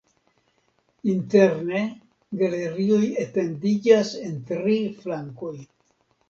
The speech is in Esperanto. Interne galerioj etendiĝas en tri flankoj.